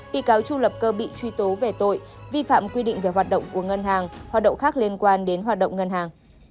bị cáo chu lập cơ bị truy tố về tội vi phạm quy định về hoạt động của ngân hàng hoạt động khác liên quan đến hoạt động ngân hàng